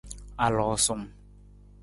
Aloosung.